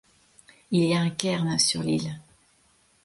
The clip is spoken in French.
Il y a un cairn sur l'île.